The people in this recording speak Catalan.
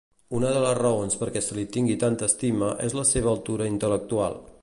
Una de les raons perquè se li tingui tanta estima és la seva altura intel·lectual.